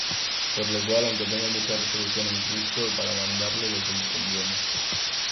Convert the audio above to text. Por lo cual, aunque tengo mucha resolución en Cristo para mandarte lo que conviene,